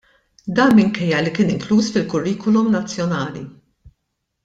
Dan minkejja li kien inkluż fil-Kurrikulum Nazzjonali.